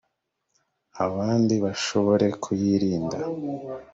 abandi bashobore kuyirinda